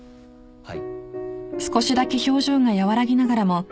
はい。